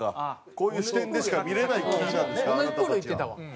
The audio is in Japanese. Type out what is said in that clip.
こういう視点でしか見れない期なんですか？